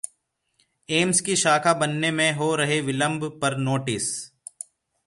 AIIMS की शाखा बनने में हो रहे विलंब पर नोटिस